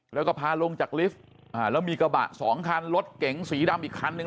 แล้วก็พาลงจากลิฟต์แล้วมีกระบะสองคันรถเก๋งสีดำอีกคันนึง